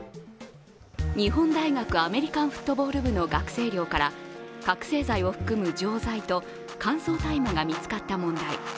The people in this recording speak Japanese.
日本大学アメリカンフットボール部の学生寮から覚醒剤を含む錠剤と乾燥大麻が見つかった問題。